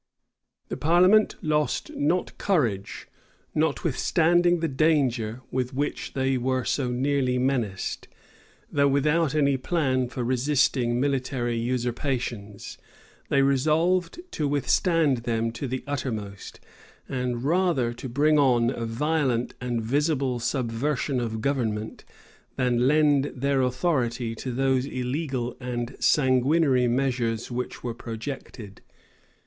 The parliament lost not courage, notwithstanding the danger with which they were so nearly menaced. Though without any plan for resisting military usurpations, they resolved to withstand them to the uttermost; and rather to bring on a violent and visible subversion of government, than lend their authority to those illegal and sanguinary measures which were projected.